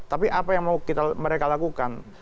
tapi apa yang mau mereka lakukan